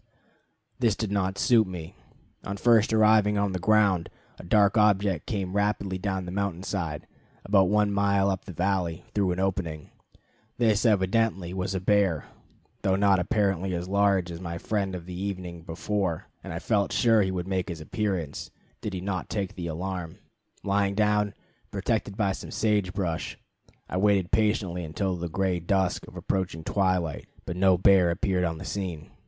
This did not suit me. On first arriving on the ground, a dark object came rapidly down the mountain side, about one mile up the valley, through an opening. This evidently was a bear, though not apparently as large as my friend of the evening before; and I felt sure he would make his appearance did he not take the alarm. Lying down, protected by some sage brush, I waited patiently until the gray dusk of approaching twilight, but no bear appeared on the scene.